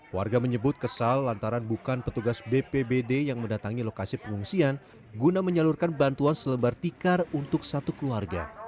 warga menyebut kesal lantaran bukan petugas bpbd yang mendatangi lokasi pengungsian guna menyalurkan bantuan selebar tikar untuk satu keluarga